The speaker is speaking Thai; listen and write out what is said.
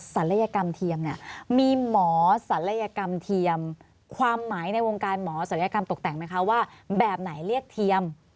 ศัลยกรรมเทียมเนี่ยมีหมอศัลยกรรมเทียมความหมายในวงการหมอศัลยกรรมตกแต่งไหมคะว่าแบบไหนเรียกเทียม